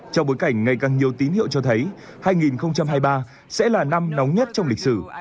trong bối cảnh ngày càng nhiều tín hiệu cho thấy hai nghìn hai mươi ba sẽ là năm nóng nhất trong lịch sử